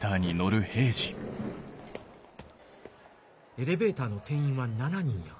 エレベーターの定員は７人や。